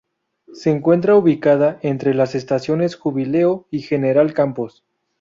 Se encuentra ubicada entre las estaciones Jubileo y General Campos.